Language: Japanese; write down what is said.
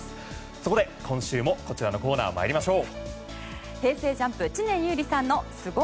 そこで今週もこちらのコーナー参りましょう。